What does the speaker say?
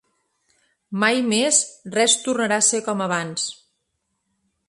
Mai més res tornarà a ser com abans.